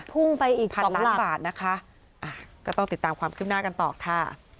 พุ่งไปอีกพันล้านบาทนะคะอ่ะก็ต้องติดตามความคืบหน้ากันต่อค่ะ